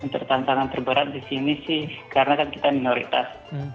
tertantangan terberat di sini sih karena kan kita minoritas